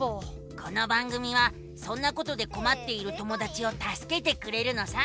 この番組はそんなことでこまっている友だちをたすけてくれるのさ。